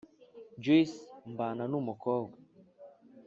juice, mbana numukobwa